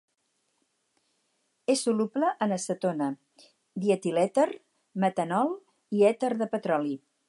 És soluble en acetona, dietilèter, metanol i èter de petroli.